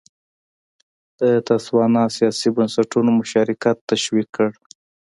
د تسوانا سیاسي بنسټونو مشارکت تشویق کړ.